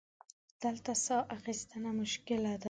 دلته سا اخیستنه مشکله ده.